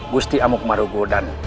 gusti amuk marugo dan